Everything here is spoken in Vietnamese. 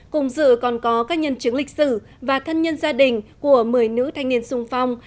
cùng dự còn có các nhân chứng lịch sử và thân nhân gia đình của một mươi nữ thanh niên sung phong